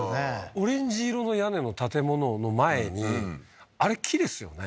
オレンジ色の屋根の建物の前にあれ木ですよね？